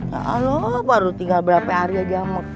ya allah baru tinggal berapa hari aja